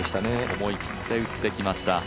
思い切って打ってきました。